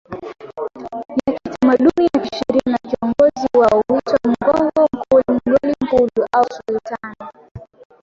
ya kitamaduni na kisheria na kiongozi wao huitwa Mghongo MkuluMgoli Mkulu au Sultana